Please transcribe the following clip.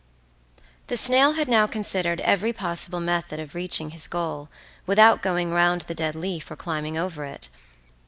The snail had now considered every possible method of reaching his goal without going round the dead leaf or climbing over it.